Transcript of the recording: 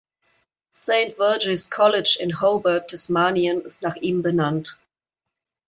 Saint Virgil’s College in Hobart, Tasmanien ist nach ihm benannt.